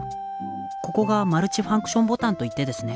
ここがマルチファンクションボタンといってですね